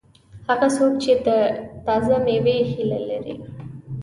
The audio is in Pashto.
هغه څوک چې د تازه مېوې هیله لري.